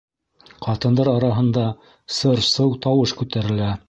Ҡатындар араһында сыр-сыу, тауыш күтәрелә.